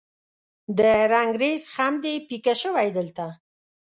د رنګریز خم دې پیکه شوی دلته